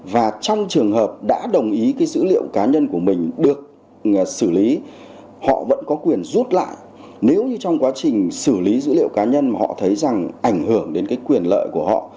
và trong trường hợp đã đồng ý cái dữ liệu cá nhân của mình được xử lý họ vẫn có quyền rút lại nếu như trong quá trình xử lý dữ liệu cá nhân mà họ thấy rằng ảnh hưởng đến cái quyền lợi của họ